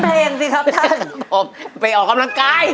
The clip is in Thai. ครับผมไปออกกำลังกาย